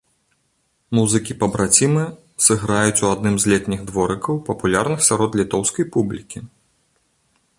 Музыкі-пабрацімы сыграюць у адным з летніх дворыкаў, папулярных сярод літоўскай публікі.